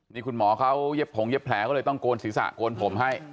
นี่คุณหมอเขาเย็บผงเย็บแผลก็เลยต้องโกนศีรษะโกนผมให้